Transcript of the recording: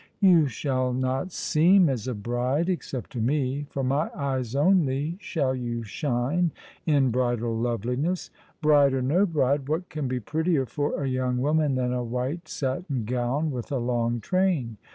"You shall not seem as a bride— except to me. For my eyes only shall you shine in bridal loveliness. Bride or no bride, what can be prettier for a young woman than a white satin gown with a long train